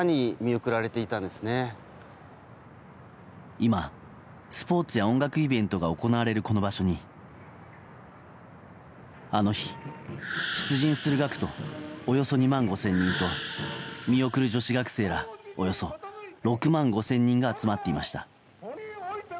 今、スポーツや音楽イベントが行われるこの場所にあの日、出陣する学徒およそ２万５０００人と見送る女子学生らおよそ６万５０００人が集まっていました。